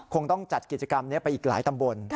คงต้องจัดกิจกรรมนี้ไปอีกหลายตำบล